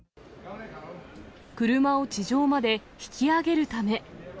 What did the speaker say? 車を地上まで引き上げるため。